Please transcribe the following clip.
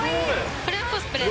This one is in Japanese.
これはコスプレ。